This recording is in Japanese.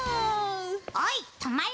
・おいとまれ！